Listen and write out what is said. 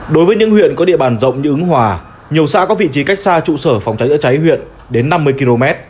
đối với những huyện có địa bàn rộng như ứng hòa nhiều xã có vị trí cách xa trụ sở phòng cháy chữa cháy huyện đến năm mươi km